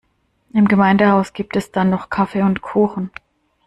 Im Gemeindehaus gibt es dann noch Kaffee und Kuchen.